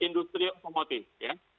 industri otomotif ya